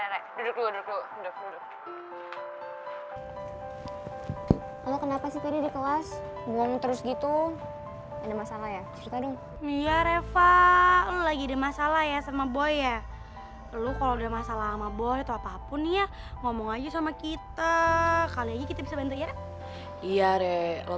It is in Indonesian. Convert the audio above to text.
renjih banget lo